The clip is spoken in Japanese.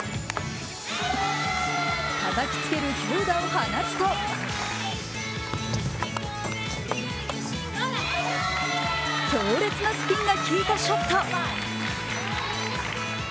たたきつける強打を放つと強烈なスピンが効いたショット。